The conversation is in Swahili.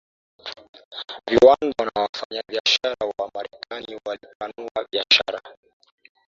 viwanda na wafanyabiashara wa Marekani walipanua biashara